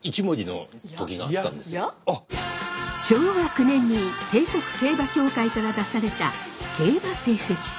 昭和９年に帝国競馬協会から出された競馬成績書。